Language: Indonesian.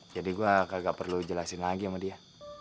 jadi gue kagak perlu jelasin lagi sama dia